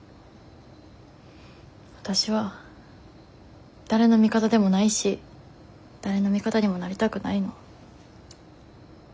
わたしは誰の味方でもないし誰の味方にもなりたくないの。